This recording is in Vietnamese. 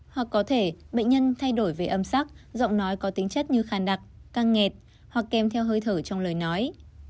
hoặc có thể bệnh nhân thay đổi về âm sắc giọng nói có tính chất như khàn đặc căng nghẹt hoặc kèm theo hơi thở trong lời nói